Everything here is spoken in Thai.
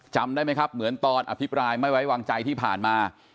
จำได้ไหมครับเหมือนตอนอภิปรายไม่ไว้วางใจที่ผ่านมา